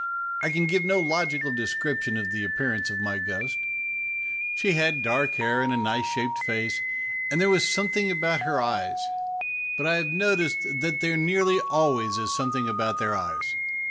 I can give no logical description of the appearance of my ghost. She had dark hair and a nice shaped face, and there was something about her eyes but I have noticed that there nearly always is something about their eyes.